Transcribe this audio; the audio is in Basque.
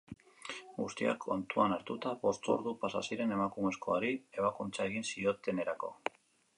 Guztia kontuan hartuta, bost ordu pasa ziren emakumezkoari ebakuntza egin ziotenerako.